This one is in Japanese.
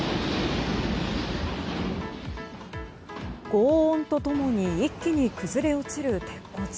轟音と共に一気に崩れ落ちる鉄骨。